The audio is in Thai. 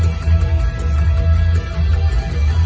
มันเป็นเมื่อไหร่แล้ว